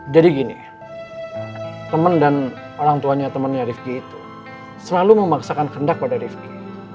jadi gini temen dan orangtuanya temennya rifki itu selalu memaksakan kendak pada rifki